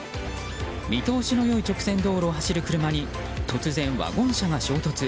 見通しの良い直線道路を走る車に突然ワゴン車が衝突。